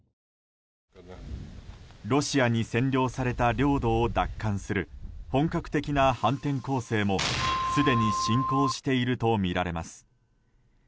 ロシアに占領された領土を奪還する本格的な反転攻勢もすでに進行しているとみられます。